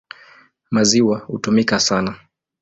Maziwa hutumika sana.